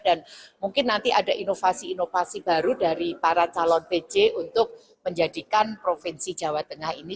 dan mungkin nanti ada inovasi inovasi baru dari para calon pj untuk menjadikan provinsi jawa tengah ini